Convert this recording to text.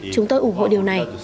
chúng tôi ủng hộ điều này